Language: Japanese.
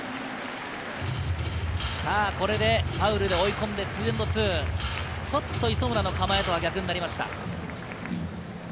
ファウルで追い込んで２−２、ちょっと磯村の構えとは逆になりました。